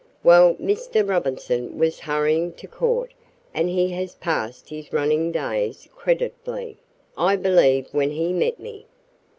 Well, Mr. Robinson was hurrying to court and he has passed his running days creditably, I believe when he met me.